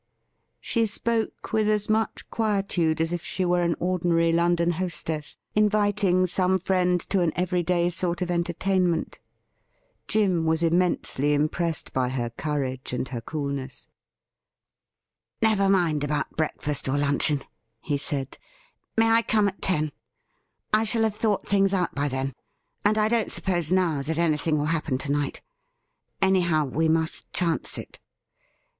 She spoke with as much quietude as if she were an ordinary London hostess inviting some friend to an every day sort of entertainment. Jim was immensely impressed by her courage and her coolness. ' Never mind about breakfast or luncheon,' he said ;' may I come at ten ? I shall have thought things out by then, and I don't suppose now that anything will happen to night. Anyhow, we must chance it.'